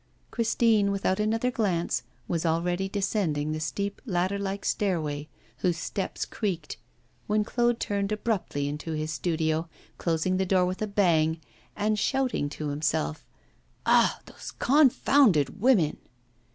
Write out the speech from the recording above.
Christine, without another glance, was already descending the steep ladder like stairway whose steps creaked, when Claude turned abruptly into his studio, closing the door with a bang, and shouting to himself: 'Ah, those confounded women!